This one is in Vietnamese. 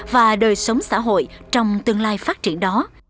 và đời sống xã hội trong tương lai phát triển đó